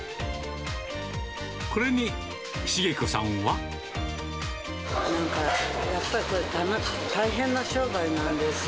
これに重子さんは。なんか、やっぱり大変な商売なんです。